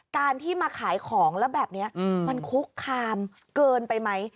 การที่มาขายของแล้วแบบนี้มันคุกคามเกินไปไหม